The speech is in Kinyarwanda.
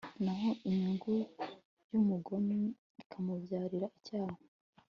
naho inyungu y'umugome ikamubyarira icyaha